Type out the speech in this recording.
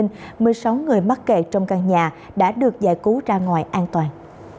một mươi sáu người mắc kẹt trong căn nhà đã được giải cứu ra ngoài an toàn